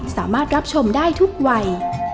สามารถรับชมได้ทุกวัย